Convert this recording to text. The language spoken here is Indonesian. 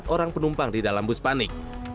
empat orang penumpang di dalam bus panik